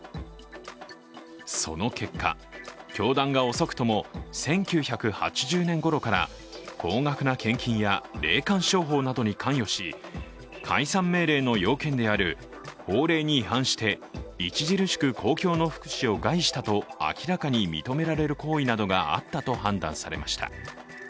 その結果、教団が遅くとも１９８０年ごろから高額な献金や霊感商法などに関与し、解散命令の要件である法令に違反して著しく公共の福祉を害したと明らかに認められる行為などがあったと判断されました。